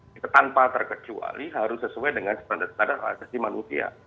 kita tanpa terkecuali harus sesuai dengan standar standar hak asasi manusia